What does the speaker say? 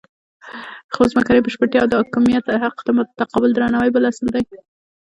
ځمکنۍ بشپړتیا او د حاکمیت حق ته متقابل درناوی بل اصل دی.